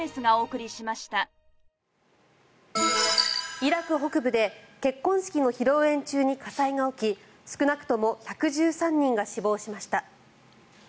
イラク北部で結婚式の披露宴中に火災が起き少なくとも１１３人が死亡しました。